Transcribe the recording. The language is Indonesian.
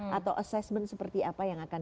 saat ini satu menyiapkan pr